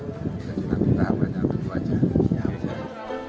kita tidak bisa banyak banyak saja